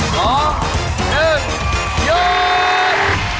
พร้อมเริ่มยก